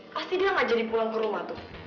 pasti dia nggak jadi pulang ke rumah tuh